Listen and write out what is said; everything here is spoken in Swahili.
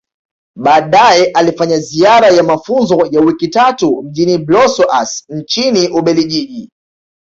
Baadae alifanya ziara ya mafunzo ya wiki tatu mjini Blasous nchini Ubeljiji